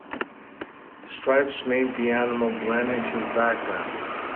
The stripes made the animal blend into the background,